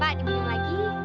ini pak diminum lagi